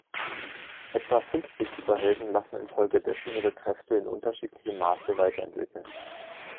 Etwa fünfzig Superhelden lassen infolgedessen ihre Kräfte in unterschiedlichem Maße weiterentwickeln.